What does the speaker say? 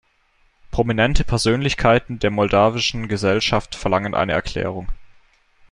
Prominente Persönlichkeiten der moldawischen Gesellschaft verlangen eine Erklärung.